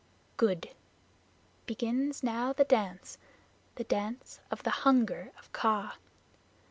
"Good. Begins now the dance the Dance of the Hunger of Kaa.